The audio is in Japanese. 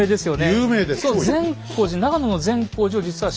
有名です。